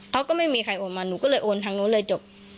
เขาก็ไม่มีใครโอนมาหนูก็เลยโอนทางนู้นเลยจบ